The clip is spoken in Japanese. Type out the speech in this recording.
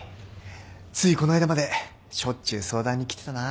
ついこないだまでしょっちゅう相談に来てたなぁ。